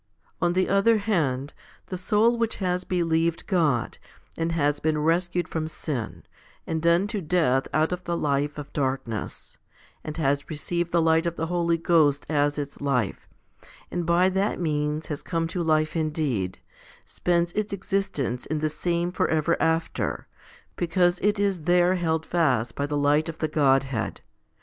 3 On the other hand, the soul which has believed God, and has been rescued from sin, and done to death out of the life of darkness, and has received the light of the Holy Ghost as its life, and by that means has come to life indeed, spends its existence in the same for ever after, because it is there held fast by the light of the Godhead.